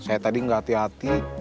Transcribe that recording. saya tadi nggak hati hati